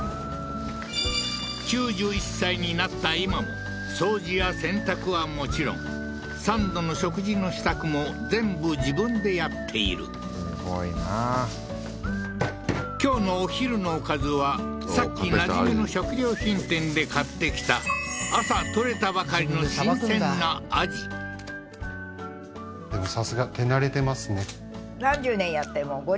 ９１歳になった今も掃除や洗濯はもちろん３度の食事の支度も全部自分でやっているすごいな今日のお昼のおかずはさっきなじみの食料品店で買ってきた朝取れたばかりの新鮮なははははっはははっ